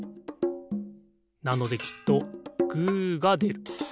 なのできっとグーがでる。